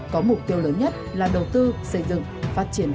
có mục tiêu lớn nhất là đầu tư xây dựng phát triển